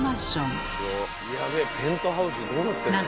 やべえペントハウスどうなってんのこれ。